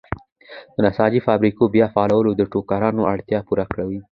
د نساجۍ فابریکو بیا فعالول د ټوکرانو اړتیا پوره کوي.